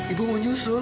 ibu mau nyusul